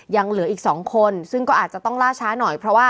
ยังเหลืออีก๒คนซึ่งก็อาจจะต้องล่าช้าหน่อยเพราะว่า